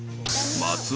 松尾！